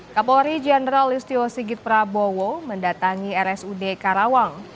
kapolri jenderal listio sigit prabowo mendatangi rsud karawang